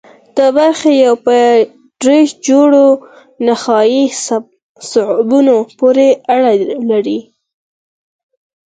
دا برخې په یو دېرش جوړو نخاعي عصبو پورې اړه لري.